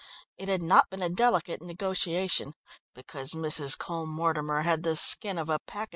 It had not been a delicate negotiation, because Mrs. Cole Mortimer had the skin of a pachyderm.